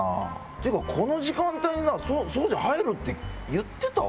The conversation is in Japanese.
っていうか、この時間帯に、掃除入るって言ってた？